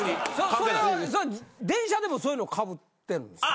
それは電車でもそういうのかぶってるんですか？